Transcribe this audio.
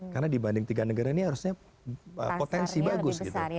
karena dibanding tiga negara ini harusnya potensi bagus gitu